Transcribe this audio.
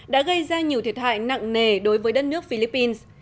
đã gây ra nhiều thiệt hại nặng nề đối với đất nước philippines